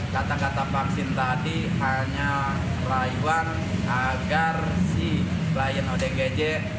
kata kata vaksin tadi hanya rayuan agar si klien odgj